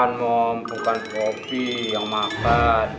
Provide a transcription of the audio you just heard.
makan mom bukan popi yang makan